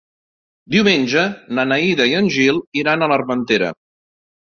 Diumenge na Neida i en Gil iran a l'Armentera.